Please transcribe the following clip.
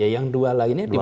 yang dua lainnya dibongkar